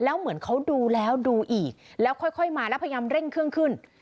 แล้วเหมือนเขาดูแล้วดูอีกแล้วค่อยมาแล้วพยายามเร่งเครื่องขึ้น